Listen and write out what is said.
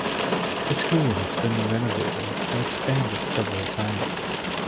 The school has been renovated and expanded several times.